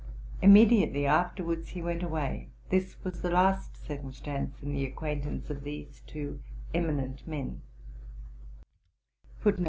Immediately afterwards he went away. This was the last circumstance in the acquaintance of these two eminent men.'